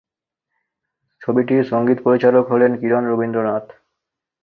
ছবিটির সংগীত পরিচালক হলেন কিরণ রবীন্দ্রনাথ।